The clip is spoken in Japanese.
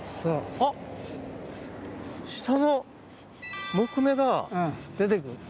あっ、下の木目が。